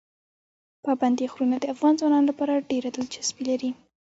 پابندي غرونه د افغان ځوانانو لپاره ډېره دلچسپي لري.